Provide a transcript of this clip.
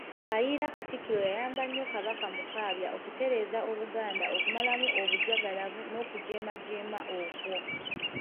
Kayiira Katikkiro yayamba nnyo Kabaka Mukaabya okutereeza Obuganda okumalamu obujagalavu n'okujeemajeema okwo.